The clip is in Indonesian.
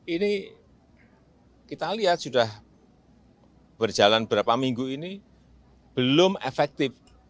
ini kita lihat sudah berjalan berapa minggu ini belum efektif